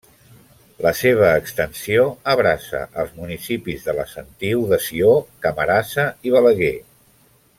La seva extensió abraça els municipis de La Sentiu de Sió, Camarasa i Balaguer.